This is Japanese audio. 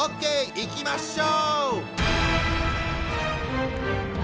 いきましょう！